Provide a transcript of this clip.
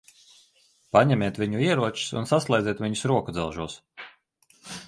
Paņemiet viņu ieročus un saslēdziet viņus rokudzelžos.